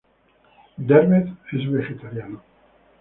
Derbez es vegetariano.